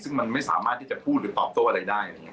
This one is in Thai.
ซึ่งมันไม่สามารถที่จะพูดหรือตอบโต้อะไรได้